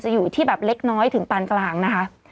อยู่ที่แบบเล็กน้อยถึงปานกลางนะคะ